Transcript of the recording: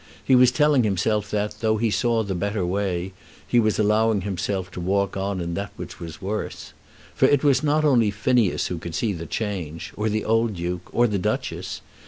He was telling himself that, though he saw the better way, he was allowing himself to walk on in that which was worse. For it was not only Phineas who could see the change, or the old Duke, or the Duchess.